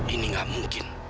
ini gak mungkin